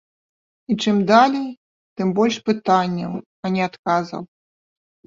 І чым далей, тым больш пытанняў, а не адказаў.